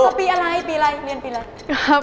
อุ้ยเส้งจะปีอะไรเรียนปีอะไร